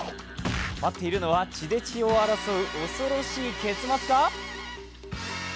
待っているのは、血で血を争う恐ろしい結末か？